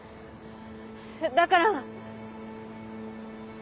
だから。